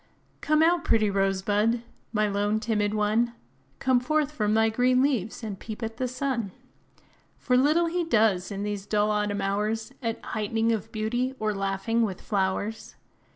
Come out, pretty Rose Bud, my lone, timid one! Come forth from thy green leaves, and peep at the sun; For little he does, in these dull autumn hours, At height'ning of beauty, or laughing with flowers.